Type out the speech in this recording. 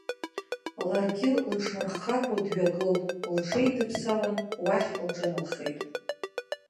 Ларгьы лыҽмырххакәа дҩагылт, лҽеидыԥсалан уахь лҿыналхеит.